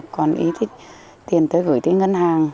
còn ý tiền tới gửi tới ngân hàng